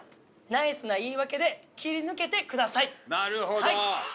ナイスな言い訳で切り抜けてください。